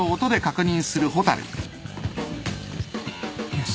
よし。